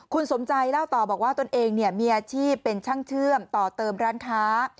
คุณสมใจเล่าต่อบอกว่าตนเองมีอาชีพเป็นช่างเชื่อมต่อเติมร้านค้า